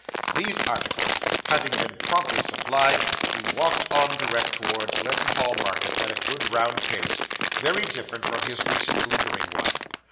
These articles having been promptly supplied, he walked on direct towards Leadenhall Market at a good round pace, very different from his recent lingering one.